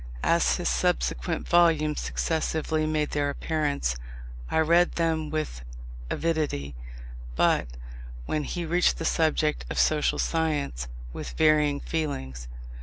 As his subsequent volumes successively made their appearance, I read them with avidity, but, when he reached the subject of Social Science, with varying feelings.